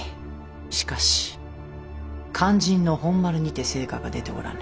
しかし肝心の本丸にて成果が出ておらぬ。